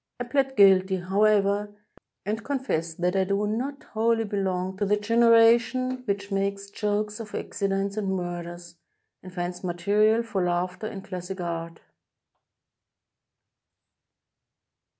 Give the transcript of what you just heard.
I plead guilty, however, and confess that I do not wholly belong to the generation which makes'jokes of accidents and murders, and finds material for laughter in classic art.